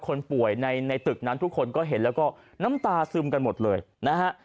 คนป่วยในในตึกนั้นทุกคนก็เห็นแล้วก็น้ำตาซึมกันหมดเลยนะฮะ